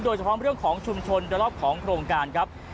โดยเฉพาะเรื่องของชุมชนโดยรอบของโครงการครับ